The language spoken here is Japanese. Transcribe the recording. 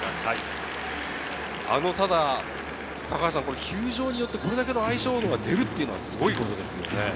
ただ球場によってこれだけの相性が出るというのはすごいことですね。